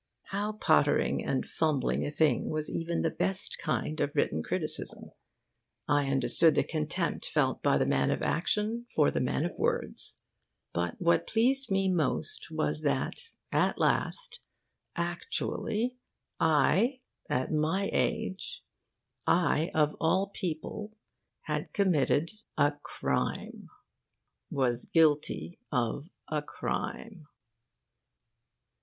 How pottering and fumbling a thing was even the best kind of written criticism! I understood the contempt felt by the man of action for the man of words. But what pleased me most was that at last, actually, I, at my age, I of all people, had committed a crime was guilty of a crime.